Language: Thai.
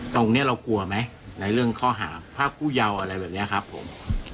ตรงนี้เรากลัวไหมในเรื่องข้อหาภาพผู้เยาว์อะไรแบบนี้ครับผม